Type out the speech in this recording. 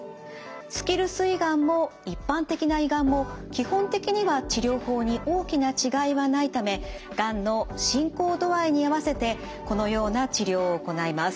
スキルス胃がんも一般的な胃がんも基本的には治療法に大きな違いはないためがんの進行度合いに合わせてこのような治療を行います。